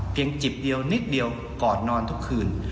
จิบเดียวนิดเดียวก่อนนอนทุกคืน